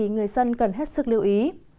người dân cần hết sức lưu ý